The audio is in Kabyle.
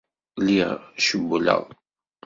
Lliɣ cewwleɣ.